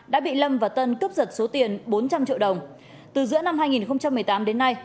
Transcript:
đã bị lâm và tân cướp giật số tiền bốn trăm linh triệu đồng từ giữa năm hai nghìn một mươi tám đến nay